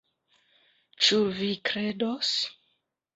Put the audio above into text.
Ĉu vi kredos?